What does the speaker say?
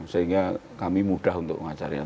sehingga kami mudah untuk mengajarkan